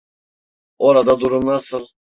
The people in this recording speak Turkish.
Orada durum nasıl?